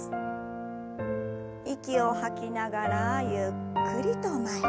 息を吐きながらゆっくりと前。